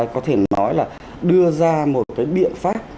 có thể nói là đưa ra một cái biện pháp